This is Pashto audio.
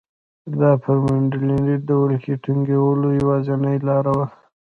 دا پر منډلینډ د ولکې ټینګولو یوازینۍ لاره وه.